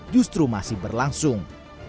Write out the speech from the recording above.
justru masih berlangsung